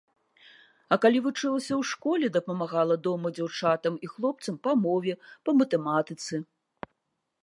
А калі вучылася ў школе, дапамагала дома дзяўчатам і хлопцам па мове, па матэматыцы.